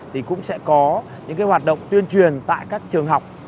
thì cũng sẽ có những hoạt động tuyên truyền tại các trường học